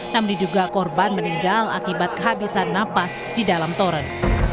namun diduga korban meninggal akibat kehabisan napas di dalam toren